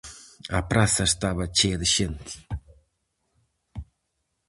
A praza estaba chea de xente.